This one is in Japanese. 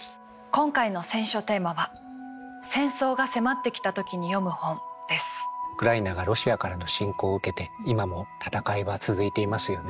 今回の選書テーマはウクライナがロシアからの侵攻を受けて今も戦いは続いていますよね。